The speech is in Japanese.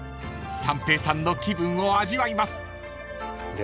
［三平さんの気分を味わいます］